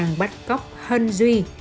sang bắt cóc hân duy